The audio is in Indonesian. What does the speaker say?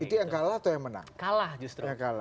itu yang kalah atau yang menang kalah justru